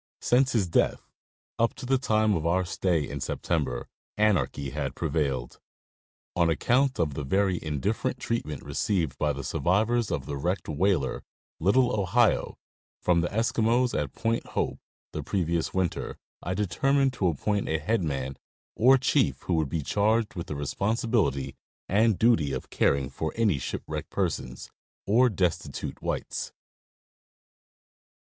Since his death, up to the time of our stay in September, anarchy had prevailed. On account of the very indifferent treatment received by the survivors of the wrecked — whaler "Little Ohio" from the Eskimos at Point Hope the pre vious winter, I determined to appoint a head man or chief who would be charged with the responsibility and duty of caring for any shipwrecked persons or destitute whites.